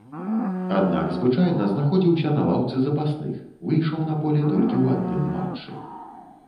Аднак, звычайна знаходзіўся на лаўцы запасных, выйшаў на поле толькі ў адным матчы.